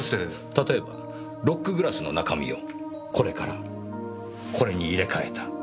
例えばロックグラスの中身をこれからこれに入れ替えた。